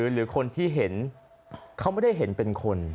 หรือคนที่เห็นเขาไม่ได้เห็นเป็นคน